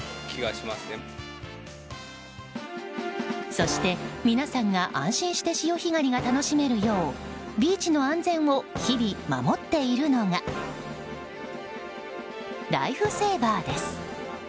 そして、皆さんが安心して潮干狩りが楽しめるようビーチの安全を日々守っているのがライフセーバーです。